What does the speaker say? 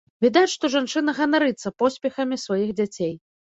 Відаць, што жанчына ганарыцца поспехамі сваіх дзяцей.